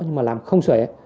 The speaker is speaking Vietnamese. nhưng mà làm không sể